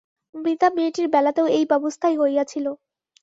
মৃতা মেয়েটির বেলাতেও এই ব্যবস্থাই হইয়াছিল।